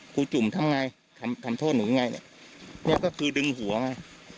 ครูจุ๋มทำยังไงทำโทษหนูไงนี่ก็คือดึงหัวไง